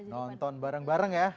nonton bareng bareng ya